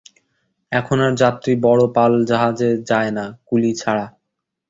এখন আর যাত্রী বড় পাল-জাহাজে যায় না, কুলী ছাড়া।